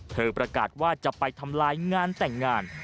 ประกาศว่าจะไปทำลายงานแต่งงาน